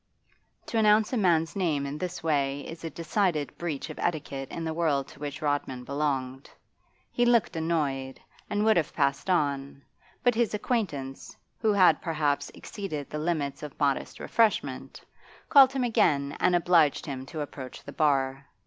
To announce a man's name in this way is a decided breach of etiquette in the world to which Rodman belonged. He looked annoyed, and would have passed on, but his acquaintance, who had perhaps exceeded the limits of modest refreshment, called him again and obliged him to approach the bar.